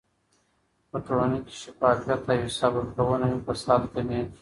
په ټولنه کې چې شفافيت او حساب ورکونه وي، فساد کمېږي.